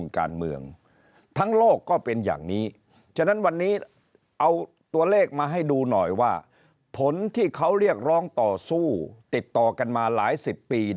ขณะนี้เอาตัวเลขมาให้ดูหน่อยว่าผลที่เขาเรียกร้องต่อสู้ติดต่อกันมาหลายสิบปี